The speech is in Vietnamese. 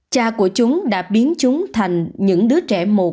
cha của chúng đã biến chúng thành những đứa trẻ một